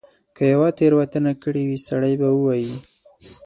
که یوه تیره وتنه کړې وي سړی به ووایي.